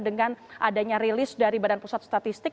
dengan adanya rilis dari badan pusat statistik